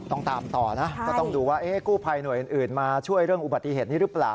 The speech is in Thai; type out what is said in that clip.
ต้องตามต่อนะก็ต้องดูว่ากู้ภัยหน่วยอื่นมาช่วยเรื่องอุบัติเหตุนี้หรือเปล่า